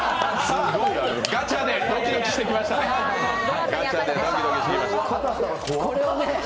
ガチャで、さあドキドキしてきましたね。